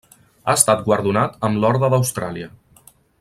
Ha estat guardonat amb l'Orde d'Austràlia.